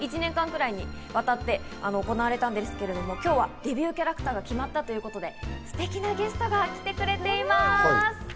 １年間ぐらいにわたって行われたんですけど、今日はデビューキャラクターが決まったということで、ステキなゲストが来てくれています。